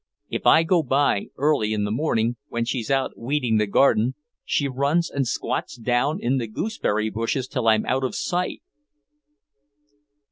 If I go by early in the morning, when she's out weeding the garden, she runs and squats down in the gooseberry bushes till I'm out of sight."